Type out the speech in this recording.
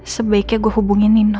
sebaiknya gue hubungin nino